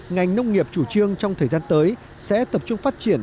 ngành nông nghiệp chủ trương trong thời gian tới sẽ tập trung phát triển